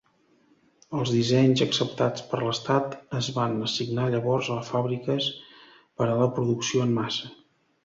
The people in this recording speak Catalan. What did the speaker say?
Els dissenys acceptats per l'estat es van assignar llavors a fàbriques per a la producció en massa.